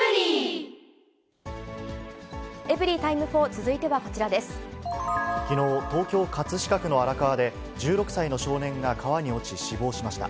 エブリィタイム４、続いてはこちきのう、東京・葛飾区の荒川で、１６歳の少年が川に落ち死亡しました。